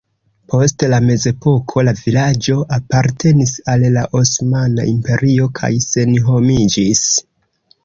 Post la mezepoko la vilaĝo apartenis al la Osmana Imperio kaj senhomiĝis.